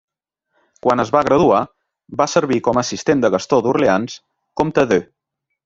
Quan es va graduar, va servir com a assistent de Gastó d'Orleans, comte d'Eu.